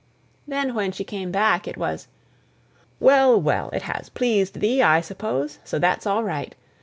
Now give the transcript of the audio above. Then when she came back it was, "Well, well, it has pleased thee, I suppose, so that's all right.